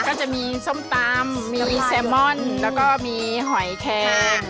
ก็จะมีส้มตำมีแซมอนแล้วก็มีหอยแคง